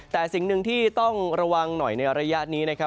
แต่สิ่งหนึ่งที่ต้องระวังหน่อยในระยะนี้นะครับ